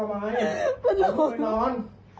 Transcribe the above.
มันโดนโลก